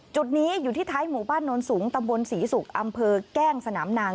จุดนี้อยู่ที่ท้ายหมู่บ้านโนนสูงตำบลศรีศุกร์อำเภอแก้งสนามนาง